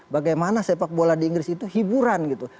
bagaimana sepak bola di inggris itu hiburan gitu